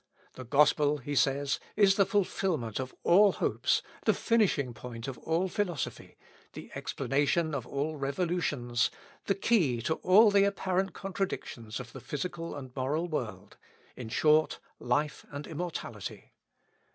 "The Gospel," he says, "is the fulfilment of all hopes, the finishing point of all philosophy, the explanation of all revolutions, the key to all the apparent contradictions of the physical and moral world; in short, life and immortality.